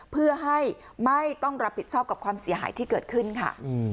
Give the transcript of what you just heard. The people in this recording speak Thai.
เพื่อให้ไม่ต้องรับผิดชอบกับความเสียหายที่เกิดขึ้นค่ะ